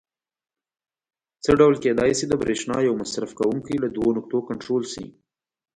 څه ډول کېدای شي د برېښنا یو مصرف کوونکی له دوو نقطو کنټرول شي؟